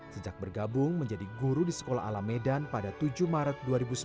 sejak bergabung menjadi guru di sekolah alamedan pada tujuh maret dua ribu sebelas